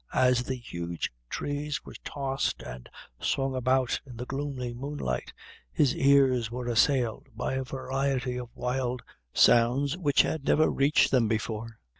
As the huge trees were tossed and swung about in the gloomy moonlight, his ears were assailed by a variety of wild sounds which had never reached them before.